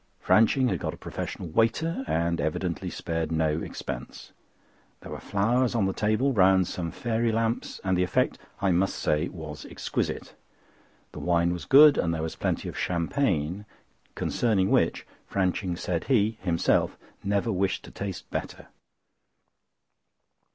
Franching had got a professional waiter, and evidently spared no expense. There were flowers on the table round some fairy lamps and the effect, I must say, was exquisite. The wine was good and there was plenty of champagne, concerning which Franching said he himself, never wished to taste better.